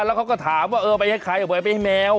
แล้วเขาก็ถามว่าเออไปให้ใครเอาไปให้แมว